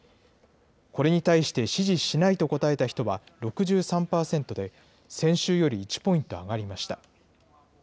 これに対して、支持しないと答えた人は６３％で、先週より１ポイント上がりました。